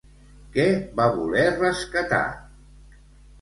Què va voler rescatar?